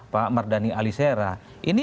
pak mardhani alisera ini